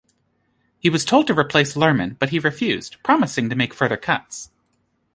He was told to replace Luhrmann, but he refused, promising to make further cuts.